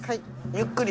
ゆっくり。